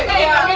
keluar bu besi